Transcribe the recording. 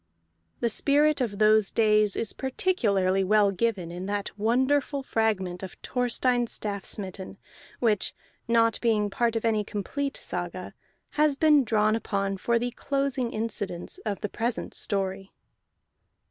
The spirit of those days is particularly well given in that wonderful fragment of Thorstein Staffsmitten which (not being part of any complete saga) has been drawn upon for the closing incidents of the present story.